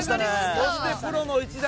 そしてプロの一打。